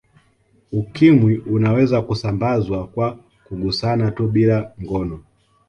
Ukimwi unaweza kusambazwa kwa kugusana tu bila ngono